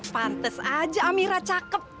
pantes aja amira cakep